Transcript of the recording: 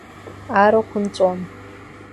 Арахә нҵәон.